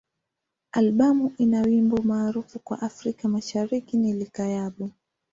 Albamu ina wimbo maarufu kwa Afrika Mashariki ni "Likayabo.